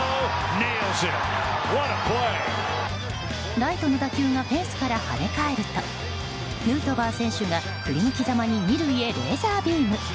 ライトの打球がフェンスから跳ね返るとヌートバー選手が振り向きざまに２塁へ、レーザービーム。